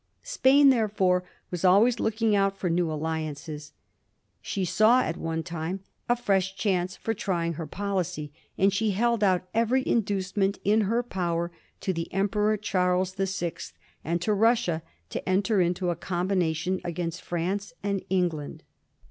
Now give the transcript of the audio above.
Spain therefore was always looking out for new alliances. She saw at one time a fresh chance for trying her policy, and she held out every inducement in her power to the Emperor Charles the Sixth and to Russia to enter into a combination against France and England.